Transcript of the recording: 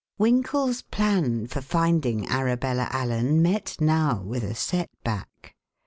Winkle's plan for finding Arabella Allen met now with a set back.